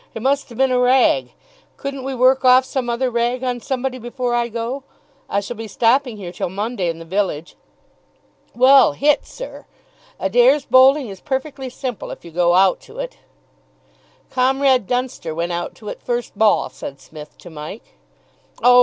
"It must have been a rag! Couldn't we work off some other rag on somebody before I go? I shall be stopping here till Monday in the village. Well hit, sir Adair's bowling is perfectly simple if you go out to it." "Comrade Dunster went out to it first ball," said Psmith to Mike. "Oh!